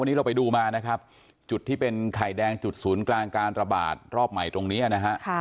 วันนี้เราไปดูมานะครับจุดที่เป็นไข่แดงจุดศูนย์กลางการระบาดรอบใหม่ตรงนี้นะฮะ